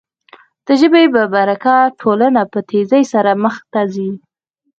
د ژبې په برکت ټولنه په تېزۍ سره مخ ته ځي.